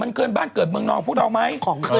เคลื่อนบ้านเกิดเมืองน้องของเราไหม